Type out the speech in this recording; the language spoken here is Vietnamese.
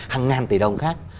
hàng ngàn tỷ đồng khác